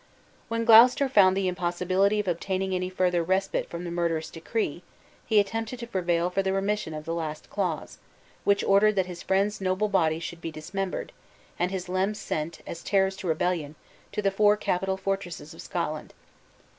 When Gloucester found the impossibility of obtaining any further respite from the murderous decree, he attempted to prevail for the remission of the last clause, which ordered that his friend's noble body should be dismembered, and his limbs sent, as terrors to rebellion, to the four capital fortresses of Scotland.